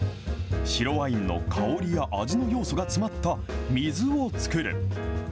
白ワインの香りや味の要素が詰まった水を作る。